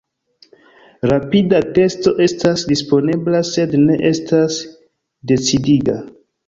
Rapida testo estas disponebla sed ne estas decidiga.